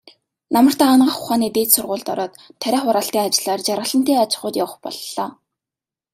Намартаа Анагаах ухааны дээд сургуульд ороод, тариа хураалтын ажлаар Жаргалантын аж ахуйд явах боллоо.